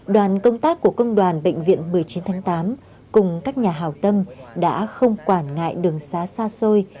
đoàn công tác của công đoàn bệnh viện một trăm chín mươi tám bộ công an cùng các nhà hào tâm đã không quản ngại đường xá xa xôi